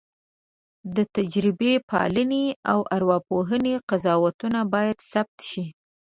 د تجربه پالنې او ارواپوهنې قضاوتونه باید ثبت شي.